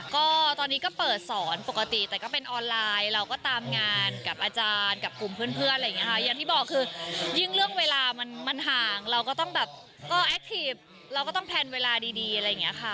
ก็ตอนนี้ก็เปิดสอนปกติแต่ก็เป็นออนไลน์เราก็ตามงานกับอาจารย์กับกลุ่มเพื่อนเพื่อนอะไรอย่างเงี้ค่ะอย่างที่บอกคือยิ่งเรื่องเวลามันมันห่างเราก็ต้องแบบก็แอคทีฟเราก็ต้องแพลนเวลาดีดีอะไรอย่างเงี้ยค่ะ